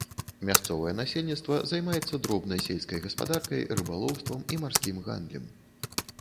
Мясцовае насельніцтва займаецца дробнай сельскай гаспадаркай, рыбалоўствам і марскім гандлем.